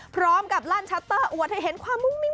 พร้อมกับลั่นชัตเตอร์อวดให้เห็นความมุ่งมิ้ง